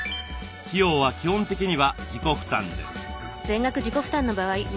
費用は基本的には自己負担です。